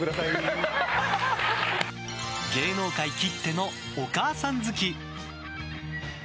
芸能界きってのお母さん好き！